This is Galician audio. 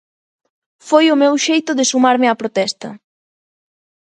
Foi o meu xeito de sumarme á protesta.